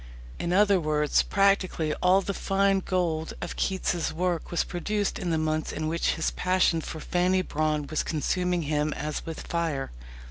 In other words, practically all the fine gold of Keats's work was produced in the months in which his passion for Fanny Brawne was consuming him as with fire.